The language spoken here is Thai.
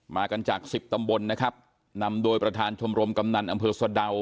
กันจากสิบตำบลนะครับนำโดยประธานชมรมกำนันอำเภอสะดาว